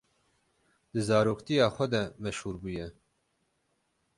Di zaroktiya xwe de meşhûr bûye.